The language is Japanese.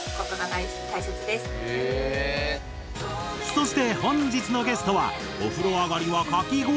そして本日のゲストは「お風呂上がりはかき氷」で決まり！